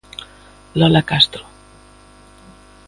Lola Castro.